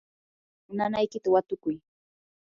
nanaykita watukuy.